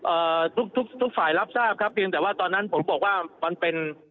ทุกทุกฝ่ายรับทราบครับเพียงแต่ว่าตอนนั้นผมบอกว่ามันเป็น